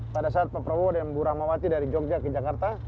pada saat pak prabowo dan bu rahmawati dari jogja ke jakarta